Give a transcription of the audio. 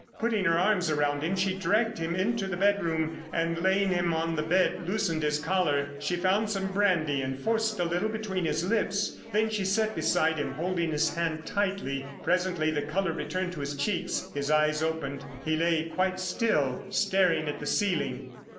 Putting her arms around him she dragged him into the bedroom, and laying him on the bed loosened his collar. She found some brandy and forced a little between his lips. Then she sat beside him, holding his hand tightly. Presently the colour returned to his cheeks, his eyes opened. He lay quite still, staring at the ceiling.